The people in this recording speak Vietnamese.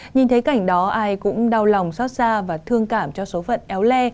nhìn thấy cảnh đó ai cũng đau lòng xót xa và thương cảm cho số phận éo le